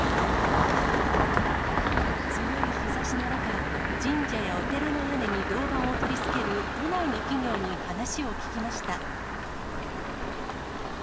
強い日ざしの中、神社やお寺の屋根に銅板を取り付ける都内の企業に話を聞きました。